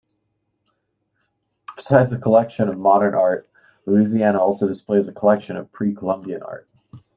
Besides the collection of modern art, Louisiana also displays a collection of Pre-Columbian art.